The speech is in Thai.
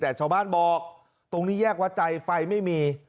แต่ชาวบ้านบอกตรงนี้แยกวัดใจไฟไม่มี